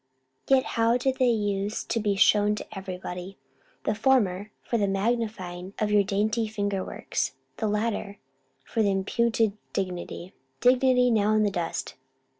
Yet, how did they use to be shown to every body: the former, for the magnifying of your dainty finger works; the latter, for the imputed dignity (dignity now in the dust!)